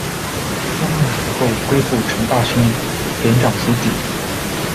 萧暎死后，归附陈霸先，典掌书记。